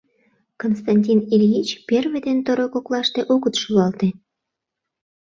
Константин Ильич, первый ден второй коклаште огыт шӱлалте.